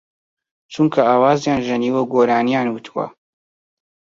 چونکە ئاوازیان ژەنیوە و گۆرانییان وتووە